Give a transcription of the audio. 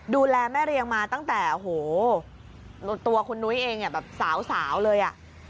ดูแลแม่เรียงมาตั้งแต่โหตัวคุณนุ้ยเองแบบสาวเลยอ่ะ